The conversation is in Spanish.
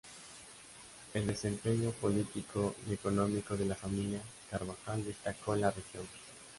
El desempeño político y económico de la familia Carvajal destacó en la región.